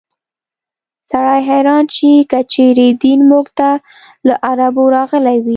سړی حیران شي که چېرې دین موږ ته له عربو راغلی وي.